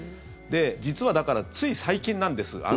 実はだから、つい最近なんです。